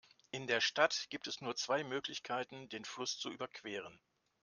In der Stadt gibt es nur zwei Möglichkeiten, den Fluss zu überqueren.